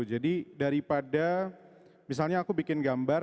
jadi daripada misalnya aku bikin gambar